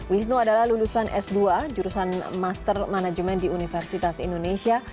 wisnu adalah lulusan s dua jurusan master management di universitas indonesia